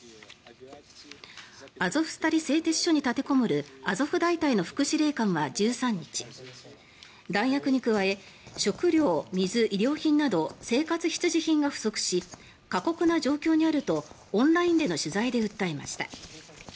アゾフスタリ製鉄所に立てこもるアゾフ大隊の副司令官は１３日弾薬に加え食料、水、衣料品など生活必需品が不足し過酷な状況にあるとオンラインでの取材で訴えました。